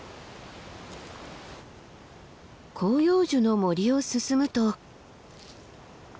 広葉樹の森を進むと。